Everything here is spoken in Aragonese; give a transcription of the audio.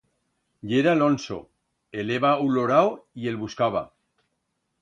Yera l'onso: el heba ulorau y el buscaba.